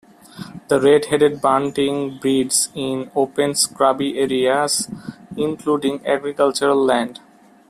The red-headed bunting breeds in open scrubby areas including agricultural land.